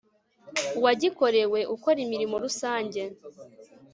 uwagikorewe ukora imirimo rusange